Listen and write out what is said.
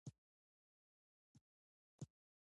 څخه استفاده وکړم،